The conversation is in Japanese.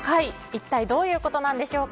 一体どういうことなんでしょう。